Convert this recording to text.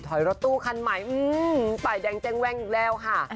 ถอยรถตู้คันใหม่ฝ่ายแดงแจ้งอีกแล้วค่ะ